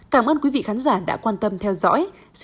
cảm ơn quý vị khán giả đã quan tâm theo dõi xin chào và hẹn gặp lại